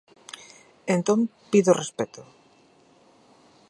Entón, ¡pido respecto!